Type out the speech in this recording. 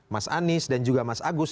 mas anies dan juga mas agus